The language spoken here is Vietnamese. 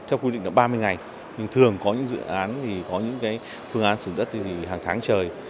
theo quy định là ba mươi ngày nhưng thường có những dự án sử dụng đất hàng tháng trời